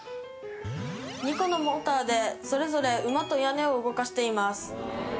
２個のモーターでそれぞれ馬と屋根を動かしています。